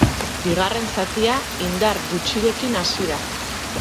Bigarren zatia indar gutxirekin hasi da.